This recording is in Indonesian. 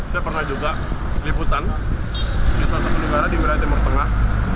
saya pernah juga liputan di satu negara di wilayah timur tengah